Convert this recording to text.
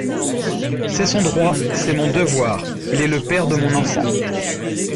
C'est son droit, c'est mon devoir, il est le père de mon enfant.